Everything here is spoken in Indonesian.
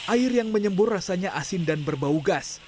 air yang menyembur rasanya asin dan berbau gas